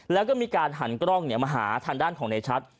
แล้วก็มีการหันกล้องมาหาทางด้านของในชัด